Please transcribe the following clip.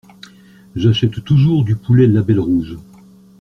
J'achète toujours du poulet label rouge.